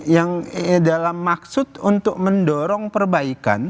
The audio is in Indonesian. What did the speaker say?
yang dalam maksud untuk mendorong perbaikan